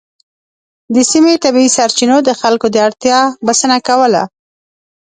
د سیمې طبیعي سرچینو د خلکو د اړتیا بسنه کوله.